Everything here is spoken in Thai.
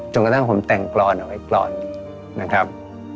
กระทั่งผมแต่งกรอนเอาไว้กรอนนะครับ